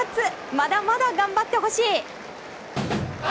まだまだ頑張ってほしい！